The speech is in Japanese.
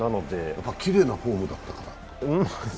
やっぱりきれいなフォームだったから？